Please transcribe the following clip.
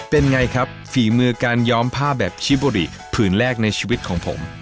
เป็นไงครับฝีมือการย้อมผ้าแบบชิบุริผืนแรกในชีวิตของผม